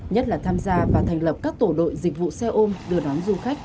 nhất là tham gia và thành lập các tổ đội dịch vụ xe ôm đưa đón du khách